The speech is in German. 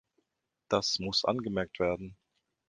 Das muss angemerkt werden.